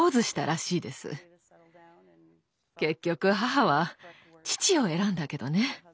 結局母は父を選んだけどね。